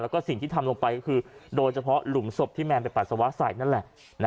แล้วก็สิ่งที่ทำลงไปก็คือโดยเฉพาะหลุมศพที่แมนไปปัสสาวะใส่นั่นแหละ